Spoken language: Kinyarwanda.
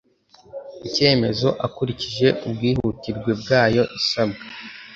Icyemezo akurikije ubwihutirwe bwayo isabwa